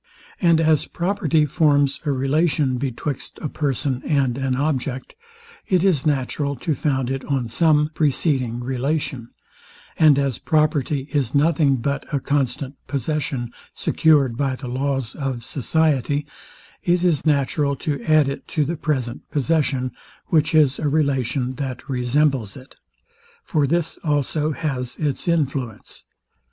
And as property forms a relation betwixt a person and an object, it is natural to found it on some preceding relation; and as property Is nothing but a constant possession, secured by the laws of society, it is natural to add it to the present possession, which is a relation that resembles it. For this also has its influence.